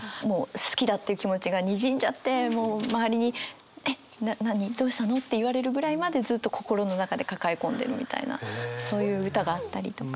好きだっていう気持ちがにじんじゃってもう周りに「えっ何？どうしたの？」って言われるぐらいまでずっと心の中で抱え込んでるみたいなそういう歌があったりとか。